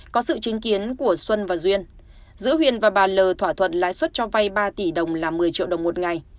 có sự chứng kiến của xuân và duyên giữa huyền và bà l thỏa thuận lãi suất cho vay ba tỷ đồng là một mươi triệu đồng một ngày